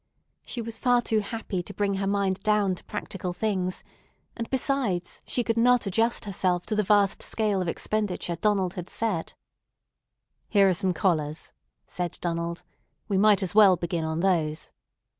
She was far too happy to bring her mind down to practical things, and, besides, she could not adjust herself to the vast scale of expenditure Donald had set. "Here are some collars," said Donald. "We might as well begin on those."